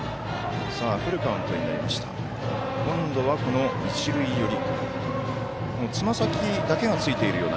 今度は一塁寄り。